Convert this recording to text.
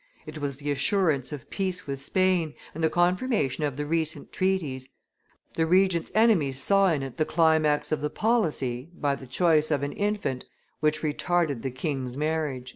"It was the assurance of peace with Spain, and the confirmation of the recent treaties; the Regent's enemies saw in it the climax of the policy, by the choice of an infant, which retarded the king's marriage."